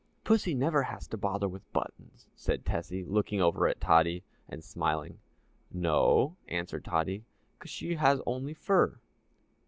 "Pussy never has to bother with buttons," said Tessie, looking over at Tottie, and smiling. "No," answered Tottie, "'cause she has only fur."